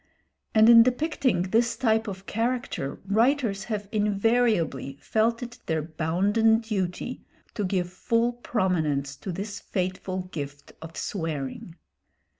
And in depicting this type of character writers have invariably felt it their bounden duty to give full prominence to this fateful gift of swearing.